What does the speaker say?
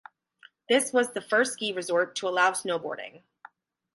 This was the first ski resort to allow snowboarding.